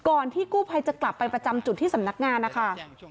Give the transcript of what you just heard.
ที่กู้ภัยจะกลับไปประจำจุดที่สำนักงานนะคะ